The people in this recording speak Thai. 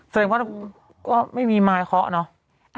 แสดงว่าก็ไม่มีไม้เคาะเนาะ